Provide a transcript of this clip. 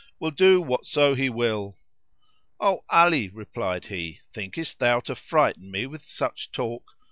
will do whatso He will!" "O Ali," replied he, "thinkest thou to frighten me with such talk?